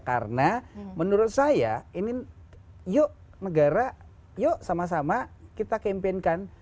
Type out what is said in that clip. karena menurut saya ini yuk negara yuk sama sama kita kempenkan